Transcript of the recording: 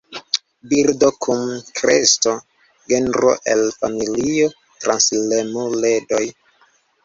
Birdo kun kresto, genro el familio transiremuledoj.